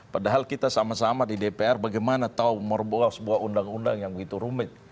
padahal kita sama sama di dpr bagaimana tahu merbol sebuah undang undang yang begitu rumit